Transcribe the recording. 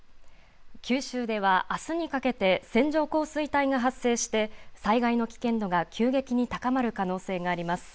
九州ではあすにかけて線状降水帯が発生して災害の危険度が急激に高まる可能性があります。